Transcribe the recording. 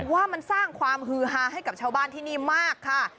ว่ามันสร้างความฮือฮาให้กับชาวบ้านที่นี่มากค่ะ